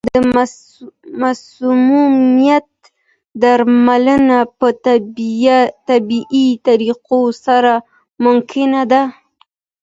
آیا د مسمومیت درملنه په طبیعي طریقو سره ممکنه ده؟